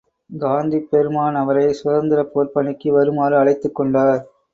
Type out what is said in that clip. காந்தி பெருமான் அவரை சுதந்திரப் போர்ப் பணிக்கு வருமாறு அழைத்துக் கொண்டார்.